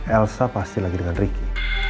elsa pasti lagi dengan ricky